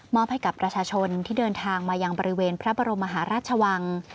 ให้กับประชาชนที่เดินทางมายังบริเวณพระบรมมหาราชวัง